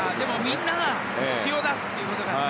みんなが必要だということがね。